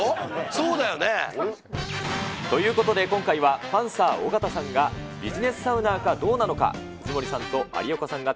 そうだよね？ということで、今回は、パンサー・尾形さんがビジネスサウナーかどうなのか。